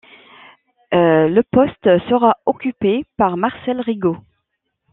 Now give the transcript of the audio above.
Le poste sera occupé par Marcel Rigout.